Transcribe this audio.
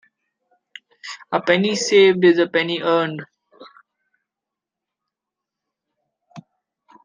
A penny saved is a penny earned.